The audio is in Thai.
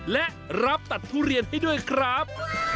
และรับตัดทุเรียนให้ด้วยครับ